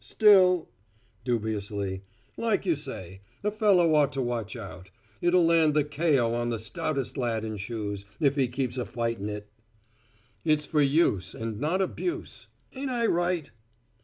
Still," dubiously, "like you say, a fellow ought to watch out. It'll land the K.O. on the stoutest lad in shoes, if he keeps a fightin' it." "It's for use and not abuse. Ain't I right?"